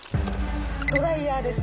ドライヤーですね。